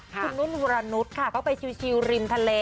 คุณนุ่นวรนุษย์ค่ะเขาไปชิลริมทะเล